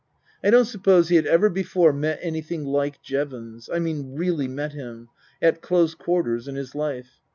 I don't suppose he had ever before met anything like Jevons I mean really met him, at close quarters in his life.